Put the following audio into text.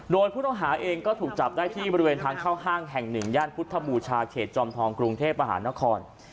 โดยผู้ต้องหาเองก็ถูกจับได้ที่บริเวณทางเข้าห้างแห่งหนึ่งย่านพุทธบูชาเขตจอมทองกรุงเทพมหานคร